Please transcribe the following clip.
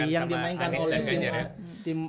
yang dimainkan oleh tim